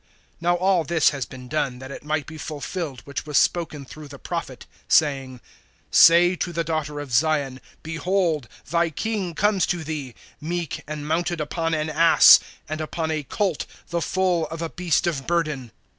(4)Now all this has been done, that it might be fulfilled which was spoken through the prophet, saying: (5)Say to the daughter of Zion, Behold, thy King comes to thee, Meek, and mounted upon an ass, And upon a colt, the foal of a beast of burden.